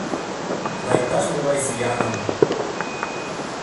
Да иктаж могай зияным